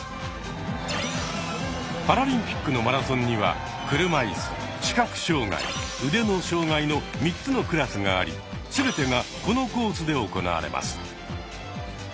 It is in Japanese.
パラリンピックのマラソンには車いす視覚障害腕の障害の３つのクラスがあり全てがこのコースで行われます。